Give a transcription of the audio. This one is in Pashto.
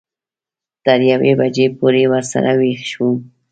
تر یوې بجې پورې ورسره وېښ وم.